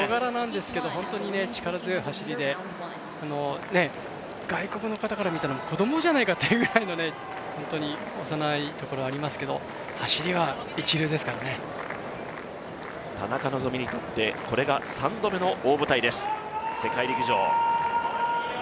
小柄なんですけれども、本当に力強い走りで外国の方から見たら、子供じゃないかというぐらい幼いところがありますけど、田中希実にとってこれが３度目の大舞台です、世界陸上。